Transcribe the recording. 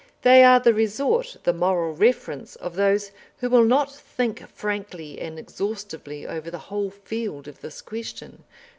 They are the resort, the moral reference, of those who will not think frankly and exhaustively over the whole field of this question.